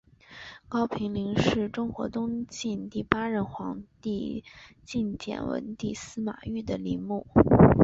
高平陵是中国东晋第八任皇帝晋简文帝司马昱的陵墓。